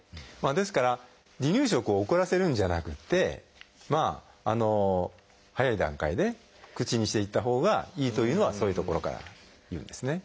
ですから離乳食を遅らせるんじゃなくて早い段階で口にしていったほうがいいというのはそういうところからいうんですね。